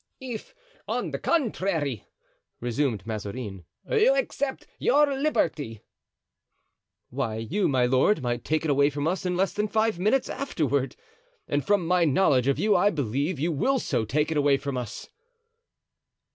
"If on the contrary," resumed Mazarin, "you accept your liberty——" "Why you, my lord, might take it away from us in less than five minutes afterward; and from my knowledge of you I believe you will so take it away from us."